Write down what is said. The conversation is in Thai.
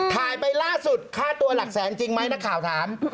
ถ่ายไปล่าสุดค่าตัวหลักแสนจริงไหมนักข่าวถาม